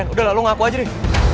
udah lah lo ngaku aja deh